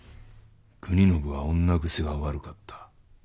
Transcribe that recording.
国宣は女癖が悪かった。